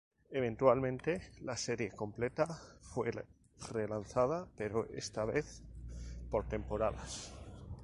Eventualmente, la serie completa fue relanzada, pero esta vez por temporadas.